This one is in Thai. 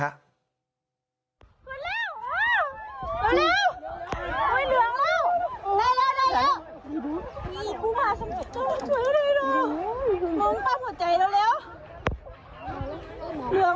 ไหน